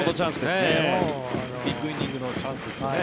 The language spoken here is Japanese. ビッグイニングのチャンスですよね。